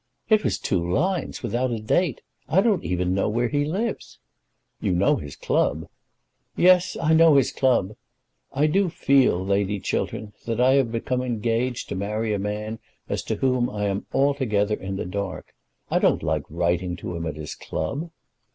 "It was two lines, without a date. I don't even know where he lives." "You know his club?" "Yes, I know his club. I do feel, Lady Chiltern, that I have become engaged to marry a man as to whom I am altogether in the dark. I don't like writing to him at his club."